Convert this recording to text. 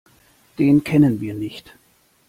Den kennen wir nicht.